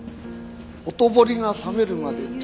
ほとぼりが冷めるまで停職。